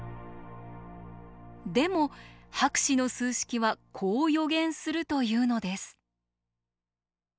でも博士の数式はこう予言するというのです。